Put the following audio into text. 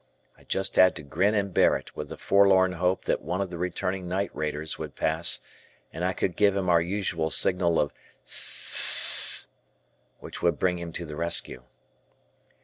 I just had to grin and bear it with the forlorn hope that one of the returning night raiders would pass and I could give him our usual signal of "siss s s s" which would bring him to the rescue.